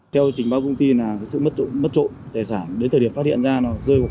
công an thành phố sông công vừa đấu tranh làm rõ vụ trộm cắp tài sản gây thiệt hại lớn cho công ty